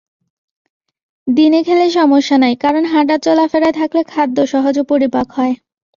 দিনে খেলে সমস্যা নেই, কারণ হাঁটা-চলাফেরায় থাকলে খাদ্য সহজে পরিপাক হয়।